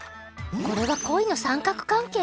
これは恋の三角関係！？